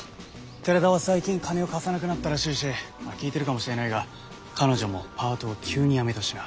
寺田は最近金を貸さなくなったらしいし聞いてるかもしれないが彼女もパートを急に辞めたしな。